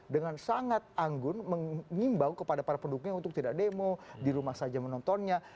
dengan sangat anggun mengimbau kepada para pendukungnya untuk tidak demo di rumah saja menontonnya